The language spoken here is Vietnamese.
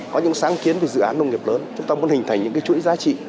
có những sáng kiến về dự án nông nghiệp lớn chúng ta muốn hình thành những cái chuỗi giá trị